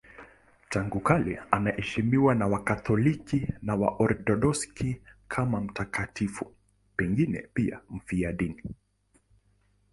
Tangu kale anaheshimiwa na Wakatoliki na Waorthodoksi kama mtakatifu, pengine pia mfiadini.